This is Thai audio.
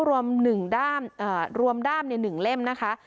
รวมหนึ่งด้ามเอ่อรวมด้ามในหนึ่งเล่มนะคะ